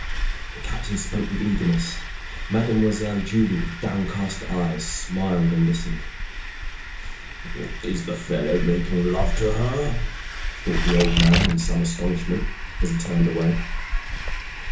The Captain spoke with eagerness; Mademoiselle Julie, with downcast eyes, smiled and listened. "Is the fellow making love to her?" thought the old man, in some astonishment, as he turned away.